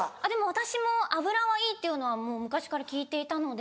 私も油はいいっていうのはもう昔から聞いていたので。